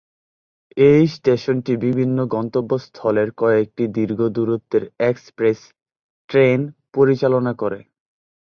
এই স্টেশনটি বিভিন্ন গন্তব্যস্থলে কয়েকটি দীর্ঘ দূরত্বের এক্সপ্রেস ট্রেন পরিচালনা করে।